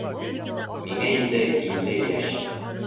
Миңә инде илле йәш.